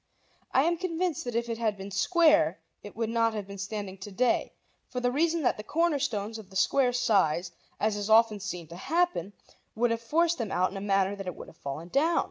I am convinced that if it had been square it would not have been standing to day, for the reason that the corner stones of the square sides, as is often seen to happen, would have forced them out in a manner that it would have fallen down.